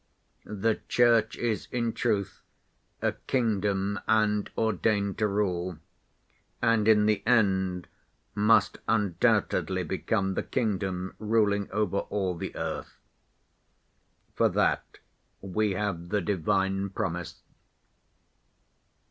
The Church is, in truth, a kingdom and ordained to rule, and in the end must undoubtedly become the kingdom ruling over all the earth. For that we have the divine promise."